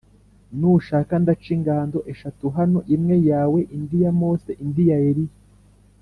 Nushaka ndaca ingando eshatu hano, imwe yawe, indi ya Mose, indi ya Eliya.